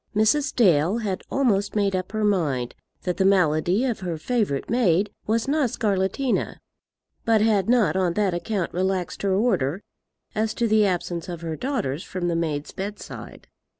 Mrs. Dale had almost made up her mind that the malady of her favourite maid was not scarlatina, but had not on that account relaxed her order as to the absence of her daughters from the maid's bedside.